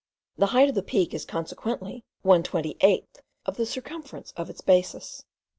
The height of the Peak is consequently one twenty eighth of the circumference of its basis.